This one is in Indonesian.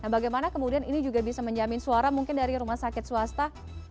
nah bagaimana kemudian ini juga bisa menjamin suara mungkin dari rumah sakit swasta